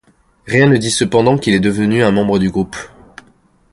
Rien ne dit cependant qu'il est devenu un membre du groupe.